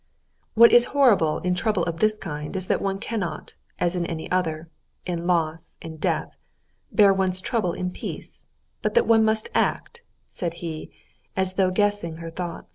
"What is horrible in a trouble of this kind is that one cannot, as in any other—in loss, in death—bear one's trouble in peace, but that one must act," said he, as though guessing her thought.